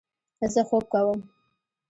زه خوب کوم